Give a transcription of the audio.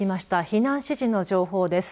避難指示の情報です。